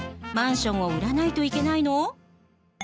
マンションを売らないといけないの？